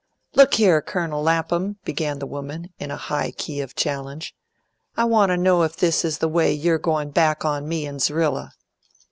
"Look here, Colonel Lapham!" began the woman, in a high key of challenge. "I want to know if this is the way you're goin' back on me and Z'rilla?"